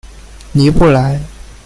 尼布莱。